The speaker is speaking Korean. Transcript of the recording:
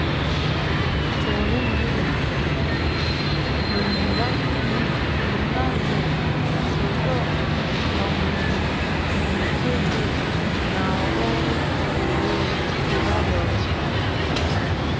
춘우는 문간에 서서 영숙이 나오기를 기다렸다.